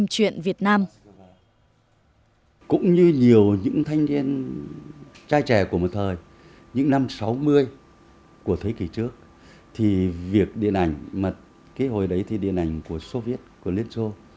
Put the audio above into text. hết chiến dịch ông được cử đi học đạo diễn ở liên xô